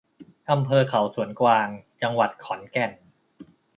อำเภอเขาสวนกวาง จังหวัดขอนแก่น